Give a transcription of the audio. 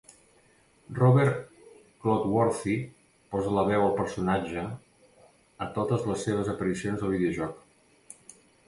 Robert Clotworthy posa la veu al personatge a totes les seves aparicions al videojoc.